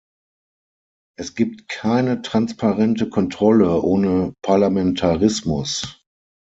Es gibt keine transparente Kontrolle ohne Parlamentarismus.